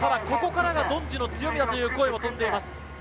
ここからが殿地の強みだという声が飛んでいます。